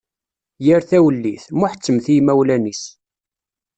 Yir tawellit, muḥettmet i yimawlan-is.